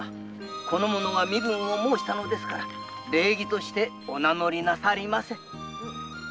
この者が身分を申したのですから礼儀としてお名のりなさりませ。